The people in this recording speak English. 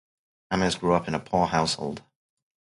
Ames grew up in a poor household.